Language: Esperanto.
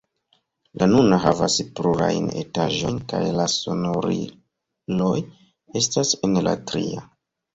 La nuna havas plurajn etaĝojn kaj la sonoriloj estas en la tria.